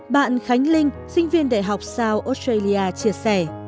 bạn khánh linh sinh viên đại học sao australia chia sẻ